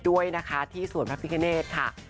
ด้วยที่สวรรค์พระภิกาเนตค่ะ